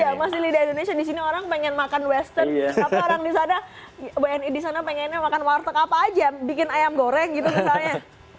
iya masih lidah indonesia di sini orang pengen makan western tapi orang di sana pengennya makan warteg apa aja bikin ayam goreng gitu misalnya